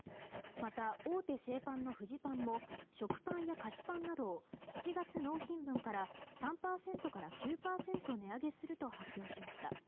また、大手製パンのフジパンも食パンや菓子パンなどを７月納品分から３％から９％値上げすると発表しました。